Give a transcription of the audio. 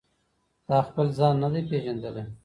تا خپل ځان نه دی پیژندلی.